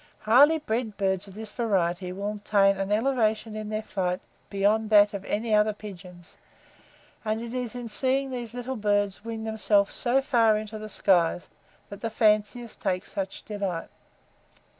Highly bred birds of this variety will attain an elevation in their flight beyond that of any other pigeons; and it is in seeing these little birds wing themselves so far into the skies that the fanciers take such delight.